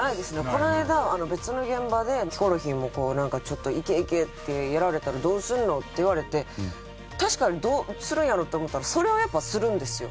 この間別の現場で「ヒコロヒーもちょっと“いけいけ”ってやられたらどうするの？」って言われて確かにどうするんやろって思ったらそれはやっぱするんですよ。